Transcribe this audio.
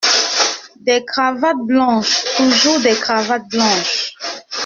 Des cravates blanches ! toujours des cravates blanches !